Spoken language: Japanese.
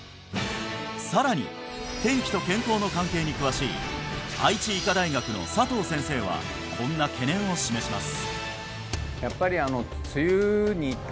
さらに天気と健康の関係に詳しい愛知医科大学の佐藤先生はこんな懸念を示します